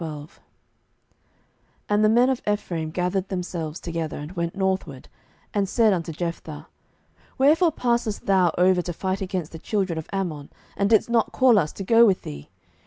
07:012:001 And the men of Ephraim gathered themselves together, and went northward, and said unto Jephthah, Wherefore passedst thou over to fight against the children of Ammon, and didst not call us to go with thee?